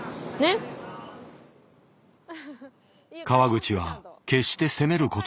川口は決して責める